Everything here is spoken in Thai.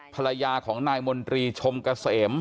ภรรยาของนายมนตรีชมกระเสม